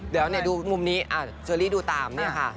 เดี๋ยวดูมุมนี้ชวอรี่ดูตาม